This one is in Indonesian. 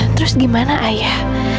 terus gimana ayah